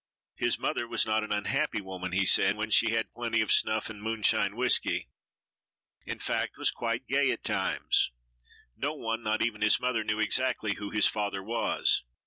His mother was not an unhappy woman, he said, when she had plenty of snuff and moonshine whisky; in fact, was quite gay at times. No one, not even his mother, knew exactly who his father was.